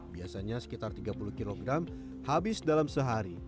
biasanya sekitar tiga puluh kg habis dalam sehari